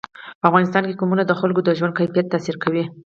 په افغانستان کې قومونه د خلکو د ژوند په کیفیت تاثیر کوي.